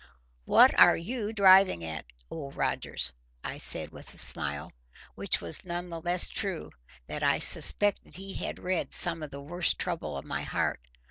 "What ARE you driving at, Old Rogers?" I said with a smile, which was none the less true that I suspected he had read some of the worst trouble of my heart.